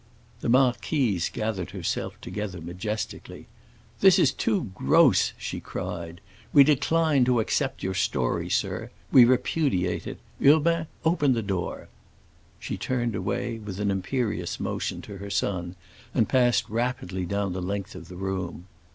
The marquise gathered herself together majestically. "This is too gross!" she cried. "We decline to accept your story, sir—we repudiate it. Urbain, open the door." She turned away, with an imperious motion to her son, and passed rapidly down the length of the room.